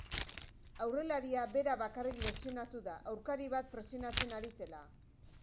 Aurrelaria bera bakarrik lesionatu da, aurkari bat presionatzen ari zela.